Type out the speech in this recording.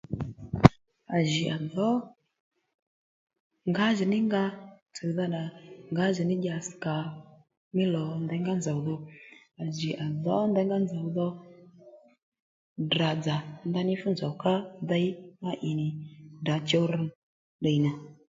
À jì à dhǒ ngǎjìní nga tsùwdha nà ngǎjìní dyasi kàò mí lò nděy ngá nzòw dho à jì à dhǒ nděyngá nzòw dho Ddrà-dzà ndaní fú nzòw ká dey fú nzòw nì Ddrà chuw rř ddiy nà